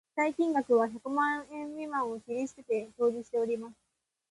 記載金額は百万円未満を切り捨てて表示しております